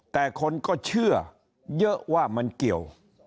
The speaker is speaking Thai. แต่คนก็เชื่อเยอะว่ามันเกี่ยว